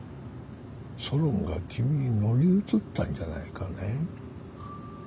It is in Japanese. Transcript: ソロンが君に乗り移ったんじゃないかね？